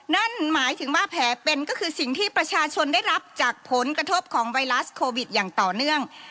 นั่นหมายถึงว่าแผลเป็นก็คือสิ่งที่ประชาชนได้รับจากผลกระทบของไวรัสโควิดอย่างต่อเนื่อง